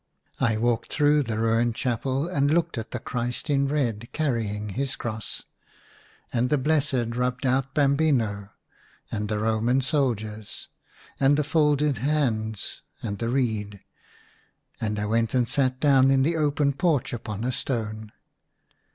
I walked through the ruined Chapel, and looked at the Christ in red carrying his cross, and the Blessed rubbed out Bambino, and the Roman soldiers, and the folded hands, and the reed ; and I went and sat down in the open porch upon a stone.